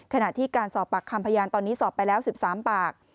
ขณะที่การสอบปากคำพยานตอนนี้สอบไปแล้ว๑๓ปาก